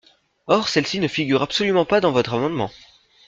Or celle-ci ne figure absolument pas dans votre amendement.